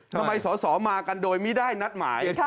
ทำไมสอสอมากันโดยมีได้นัดหมาย